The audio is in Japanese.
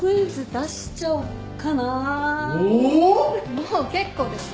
もう結構です。